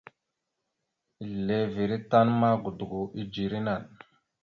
Izleveré tan ma godogo idzeré naɗ.